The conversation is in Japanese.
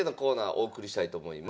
お送りしたいと思います。